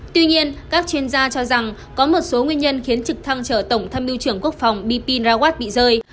tuy nhiên các chuyên gia cho rằng có một số nguyên nhân khiến trực thăng trở tổng tham mưu trưởng quốc phòng bipin rawat bị rơi